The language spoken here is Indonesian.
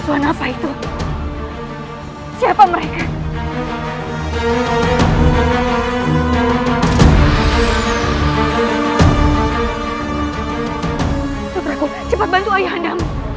tutur aku cepat bantu ayah anda